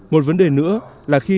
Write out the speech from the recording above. một vấn đề nữa là khi